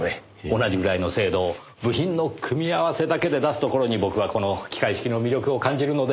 同じぐらいの精度を部品の組み合わせだけで出すところに僕はこの機械式の魅力を感じるのですがねえ。